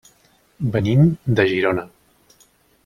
Venim de Girona.